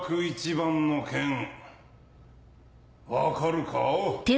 １番の県分かるか？